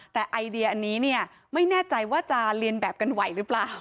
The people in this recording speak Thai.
แต่ไอเดียอันนี้เนี่ยไม่แน่ใจว่าจะเรียนแบบกันไหวหรือเปล่า